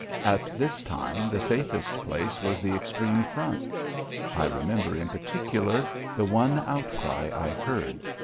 At this time the safest place was the extreme front. I remember in particular the one outcry I heard.